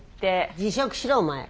辞職しろお前。